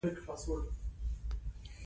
روغتیایي مرکزونه په هر کلي کې پکار دي.